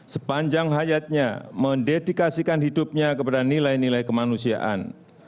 sepanjang hayatnya mendedikasikan hidupnya kepada nilai nilai kemanusiaan